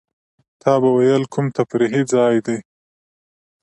تا به وېل کوم تفریحي ځای دی.